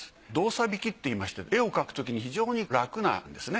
礬水引きといいまして絵を描くときに非常に楽なんですね。